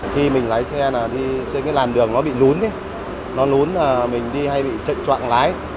khi mình lái xe đi trên cái làn đường nó bị lún nó lún là mình đi hay bị trệnh trọng lái